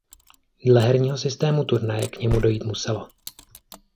Dle herního systému turnaje k němu dojít muselo.